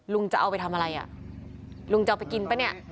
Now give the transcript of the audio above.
ลุงจะเอาไปทำอะไรอ่ะลุงจะเอาไปกินปะเนี่ย